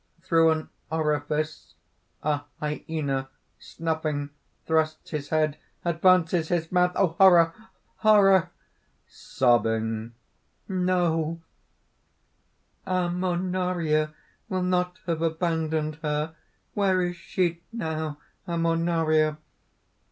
Through an orifice a hyena, snuffing, thrusts his head, advances his mouth ... horror! horror!": "No: Ammonaria will not have abandoned her! Where is she now, Ammonaria?